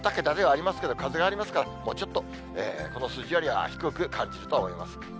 ２桁ではありますけれども、風がありますから、もうちょっとこの数字よりは低く感じると思います。